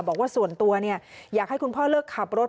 บอกว่าส่วนตัวอยากให้คุณพ่อเลิกขับรถ